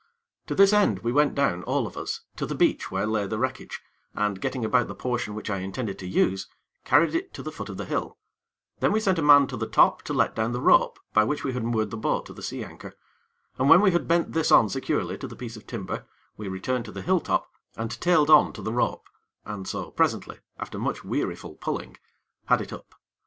To this end, we went down, all of us, to the beach where lay the wreckage, and, getting about the portion which I intended to use, carried it to the foot of the hill; then we sent a man to the top to let down the rope by which we had moored the boat to the sea anchor, and when we had bent this on securely to the piece of timber, we returned to the hill top, and tailed on to the rope, and so, presently, after much weariful pulling, had it up.